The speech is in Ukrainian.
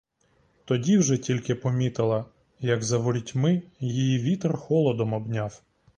Тоді вже тільки помітила, як за ворітьми її вітер холодом обняв.